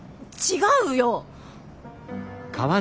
違うよ！